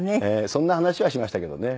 そんな話はしましたけどね。